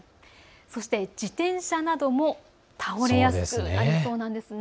そして自転車なども倒れやすくなりそうなんです。